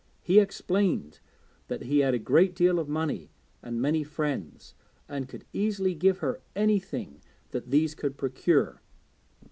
He explained that he had a great deal of money and many friends, and could easily give her anything that these could procure.